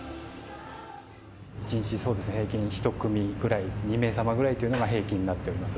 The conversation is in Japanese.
１日、平均１組くらい、２名様ぐらいというのが平均になっております。